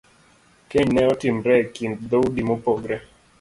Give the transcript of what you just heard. Keny ne timore e kind dhoudi mopogore .